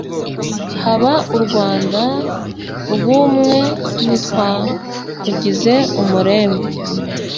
Haba u Rwanda rw'umwe Ntitwakugize umurembe